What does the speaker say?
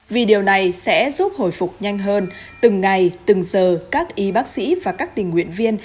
vì điều này sẽ giúp hồi phục nhanh hơn từng ngày từng giờ các y bác sĩ và các tình nguyện viên